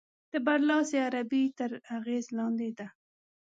د برلاسې عربي تر اغېز لاندې ده.